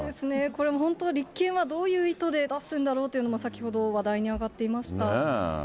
これ本当、立憲はどういう意図で出すんだろうっていうのも、先ほど話題に上がっていました。